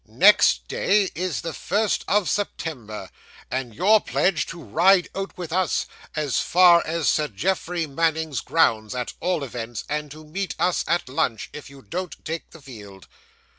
'Next day is the first of September, and you're pledged to ride out with us, as far as Sir Geoffrey Manning's grounds at all events, and to meet us at lunch, if you don't take the field.